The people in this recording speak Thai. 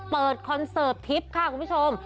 คอนเสิร์ตทิพย์ค่ะคุณผู้ชม